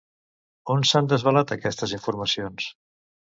On s'han desvelat aquestes informacions?